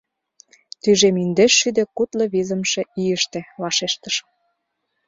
— Тӱжем индешшӱдӧ кудло визымше ийыште, — вашештышым.